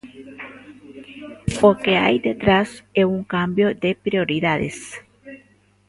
O que hai detrás é un cambio de prioridades.